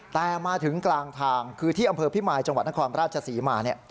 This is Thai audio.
แต่มาถึงกลางทางคือที่อำเภอพิมายจังหวัดนครราชศรีมา